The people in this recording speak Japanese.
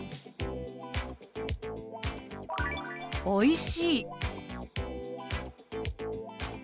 「おいしい」。